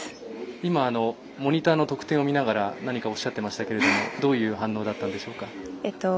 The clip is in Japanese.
今、モニターの得点を見ながら何かおっしゃってましたけどどういう反応だったんでしょうか。